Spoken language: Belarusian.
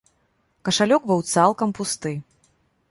Кашалёк быў цалкам пусты.